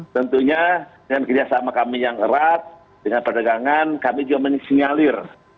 tentunya dengan kerjasama kami yang erat dengan perdagangan kami juga menyisinyalir